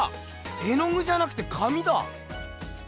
絵のぐじゃなくて紙だ！